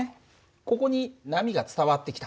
ここに波が伝わってきた。